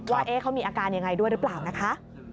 ว่าเขามีอาการยังไงด้วยหรือเปล่านะคะ